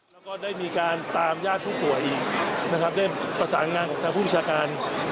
แล้วก็ได้มีการตามญาติผู้ป่วยอีกนะครับได้ประสานงานกับทางผู้บัญชาการ